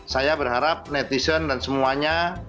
saya berharap netizen dan semuanya